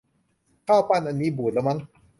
ข้าวปั้นอันนี้บูดแล้วมั้ง